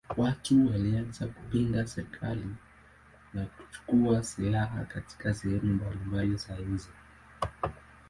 Watu walianza kupinga serikali na kuchukua silaha katika sehemu mbalimbali za nchi.